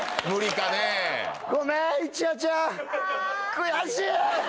悔しいー！